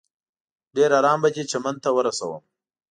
ډېر ارام به دې چمن ته ورسوم.